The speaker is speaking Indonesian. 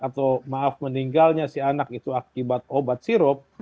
atau maaf meninggalnya si anak itu akibat obat sirup